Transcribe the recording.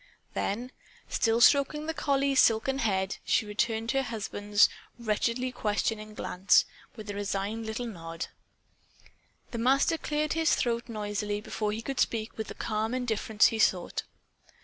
Then, still stroking the collie's silken head, she returned her husband's wretchedly questioning glance with a resigned little nod. The Master cleared his throat noisily before he could speak with the calm indifference he sought.